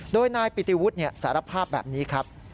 โดยนายปิติวุฒิสารภาพแบบนี้ครับ